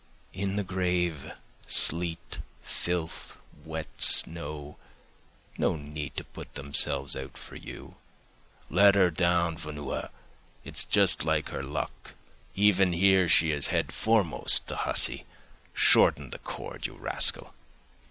In the grave, sleet, filth, wet snow—no need to put themselves out for you—'Let her down, Vanuha; it's just like her luck—even here, she is head foremost, the hussy. Shorten the cord, you rascal.